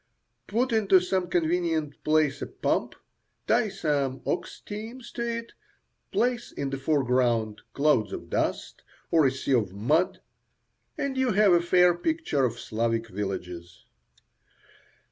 Put into some convenient place a pump, tie some ox teams to it, place in the foreground clouds of dust or a sea of mud, and you have a fair picture of Slavic villages.